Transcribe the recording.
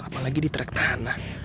apalagi di track tanah